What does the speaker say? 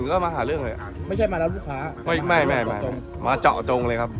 ก็มาหาเรื่องเลยไม่ใช่มานานลูกค้ามาเจาะจงเลยครับ